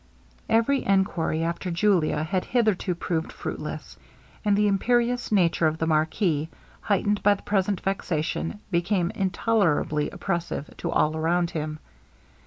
Every enquiry after Julia had hitherto proved fruitless; and the imperious nature of the marquis, heightened by the present vexation, became intolerably oppressive to all around him.